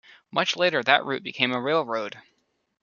Much later that route became a railroad.